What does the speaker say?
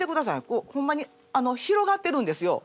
こうほんまに広がってるんですよ